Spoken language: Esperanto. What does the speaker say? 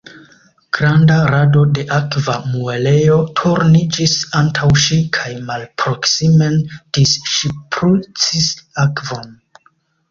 Granda rado de akva muelejo turniĝis antaŭ ŝi kaj malproksimen disŝprucis akvon.